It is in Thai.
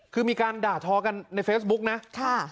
คือมีการด่าทอกันในเฟซบุ๊กนะ